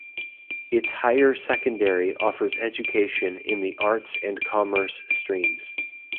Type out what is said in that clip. Its higher secondary offers education in the Arts and Commerce streams.